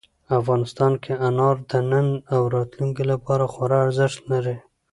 افغانستان کې انار د نن او راتلونکي لپاره خورا ارزښت لري.